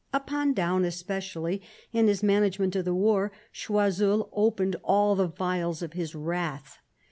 Upon Daun especially, and his management of the war, Choiseul opened all the vials of his wrath.